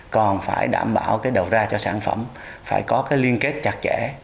còn phải đảm bảo cái đầu ra cho sản phẩm phải có cái liên kết chặt chẽ